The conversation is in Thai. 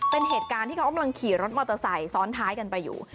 เป็นเหตุการณ์ที่เขากำลังขี่รถมอเตอร์ไซค์ซ้อนท้ายกันไปอยู่